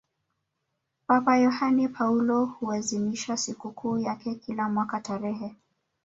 papa yohane paulo huazimisha sikukuu yake kila mwaka tarehe